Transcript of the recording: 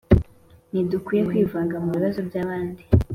Ntidukwiye kwivanga mu bibazo by’abandi.